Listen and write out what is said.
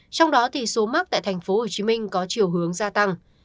trong đó thì số mắc tại tp hcm có chiều hướng gia tăng